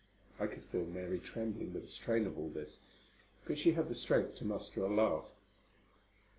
I could feel Mary trembling with the strain of all this. But she had the strength to muster a laugh.